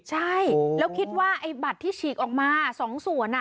ใช่แล้วคิดว่าไอ้บัตรที่ฉีกออกมา๒ส่วน